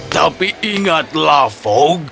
tapi ingatlah fogg